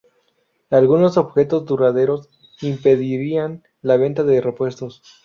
Algunos objetos duraderos impedirían la venta de repuestos.